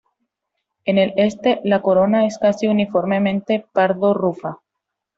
En el este la corona es casi uniformemente pardo rufa.